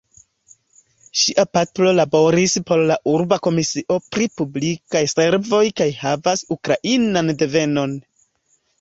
Ŝia patro laboris por la urba Komisio pri Publikaj Servoj kaj havas ukrainan devenon.